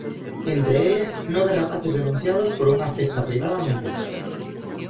Entre eles nove rapaces denunciados por unha festa privada nun piso.